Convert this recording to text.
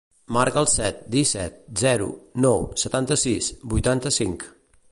Marca el set, disset, zero, nou, setanta-sis, vuitanta-cinc.